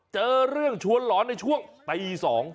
เจอเรื่องชวนหลอนในช่วงตี๒